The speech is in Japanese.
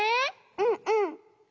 うんうん。